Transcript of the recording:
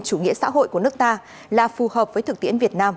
chủ nghĩa xã hội của nước ta là phù hợp với thực tiễn việt nam